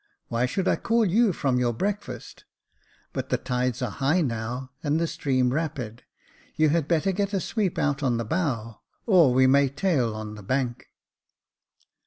Why should I call you from your breakfast ? But the tides are high now, and the stream rapid ; you had better get a sweep out on the bow, or we may tail on the bank."